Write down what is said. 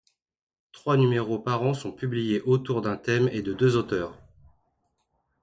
Trois numéros par an sont publiés autour d’un thème et de deux auteurs.